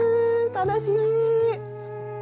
楽しみ。